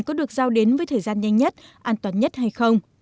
có được giao đến với thời gian nhanh nhất an toàn nhất hay không